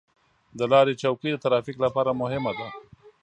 د لارې چوکۍ د ترافیک لپاره مهمه ده.